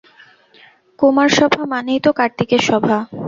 কুমারসভা মানেই তো কার্তিকের সভা।